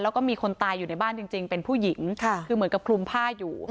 แล้วก็มีคนตายอยู่ในบ้านจริงเป็นผู้หญิงคือเหมือนกับคลุมผ้าอยู่